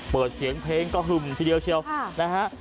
เปิดเสียงเพลงก็หึ่มทีเดียวเชียวนะฮะ